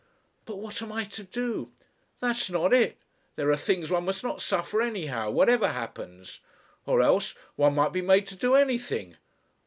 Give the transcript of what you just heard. "But what am I to do?" "That's not it. There are things one must not suffer anyhow, whatever happens! Or else one might be made to do anything.